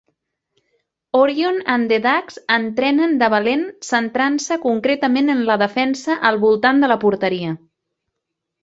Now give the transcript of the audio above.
Orion and the Ducks entrenen de valent, centrant-se concretament en la defensa al voltant de la porteria.